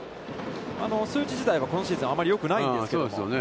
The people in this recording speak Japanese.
数字自体は、今シーズンあまりよくないんですけどね。